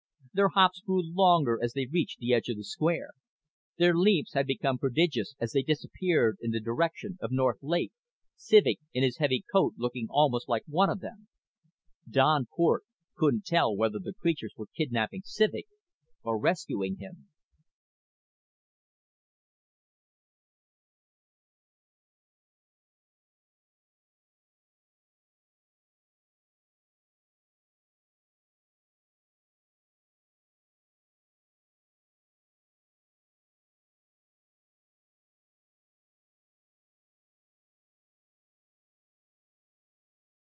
Their hops grew longer as they reached the edge of the square. Their leaps had become prodigious as they disappeared in the direction of North Lake, Civek in his heavy coat looking almost like one of them. Don Cort couldn't tell whether the creatures were kidnaping Civek or rescuing him.